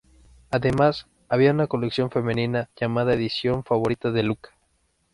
Además, había una colección femenina llamada "Edición favorita de Luca".